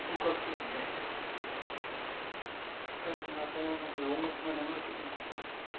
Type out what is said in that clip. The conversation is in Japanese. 光さんの頭の中に音楽が流れてくるんですか？